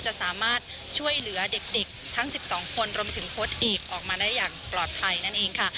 จะสามารถช่วยเหลือเด็กทั้ง๑๒คนรวมถึงโค้ดเอกออกมาได้อย่างปลอดภัยนั่นเองค่ะ